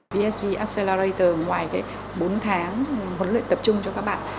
bsv accelerator ngoài cái bốn tháng huấn luyện tập trung cho các bạn